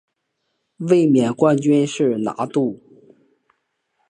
卫冕冠军是拿度。